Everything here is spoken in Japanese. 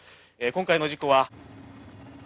今回の事故は。